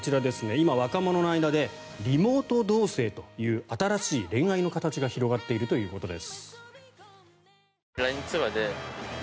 今、若者の間でリモート同棲という新しい恋愛の形が広がっているということです。